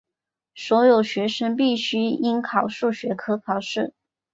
所有学生必须应考数学科考试。